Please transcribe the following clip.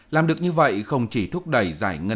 làm được như vậy không chỉ thúc đẩy giải ngân